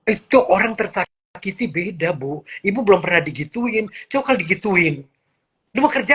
itu orang tersakiti beda bu ibu belum pernah digituin cokelit win dua kerja